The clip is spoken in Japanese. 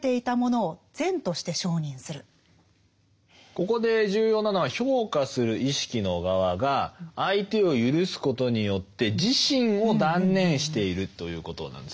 ここで重要なのは評価する意識の側が相手を赦すことによって自身を断念しているということなんです。